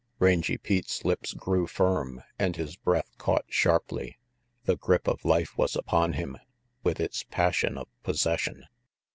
Rangy Pete's lips grew firm and his breath caught sharply. The grip of life was upon him, with its passion of possession.